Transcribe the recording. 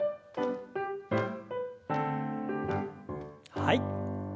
はい。